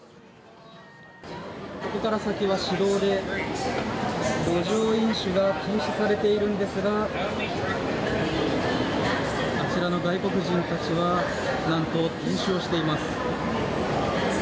ここから先は私道で路上飲酒が禁止されているんですがあちらの外国人たちはなんと飲酒をしています。